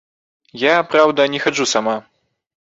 Я, праўда, не хаджу сама.